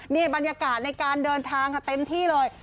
นี่บรรยากาศในการเดินทางค่ะเต็มที่เลย